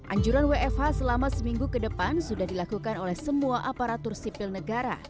anjuran wfh selama seminggu ke depan sudah dilakukan oleh semua aparatur sipil negara